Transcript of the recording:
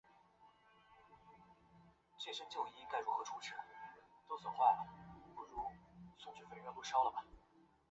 虚拟文件夹为用户提供一种更方便方法管理一批内容相关的文件。